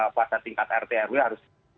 pasal tingkat rtrw harus